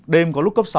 đêm có lúc cấp sáu